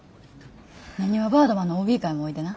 なにわバードマンのＯＢ会もおいでな。